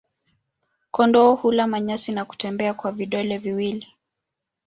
Kondoo hula manyasi na kutembea kwa vidole viwili.